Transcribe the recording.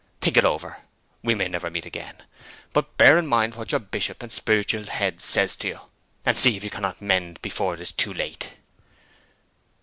Think it over. We may never meet again. But bear in mind what your Bishop and spiritual head says to you, and see if you cannot mend before it is too late.'